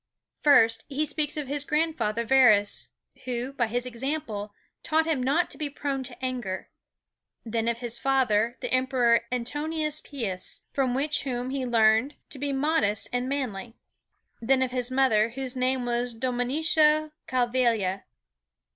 First, he speaks of his grandfather Verus, who, by his example, taught him not to be prone to anger; then of his father, the Emperor Antoninus Pius, from whom he learned to be modest and manly; then of his mother, whose name was Domitia Calvilla.